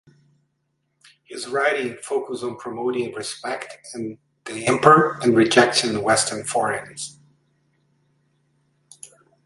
His writings focused on promoting respect for the emperor and rejection of Western foreigners.